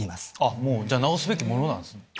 もう治すべきものなんですね。